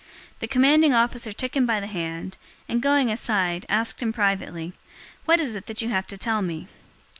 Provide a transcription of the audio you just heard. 023:019 The commanding officer took him by the hand, and going aside, asked him privately, "What is it that you have to tell me?"